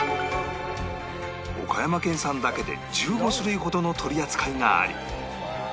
岡山県産だけで１５種類ほどの取り扱いがあり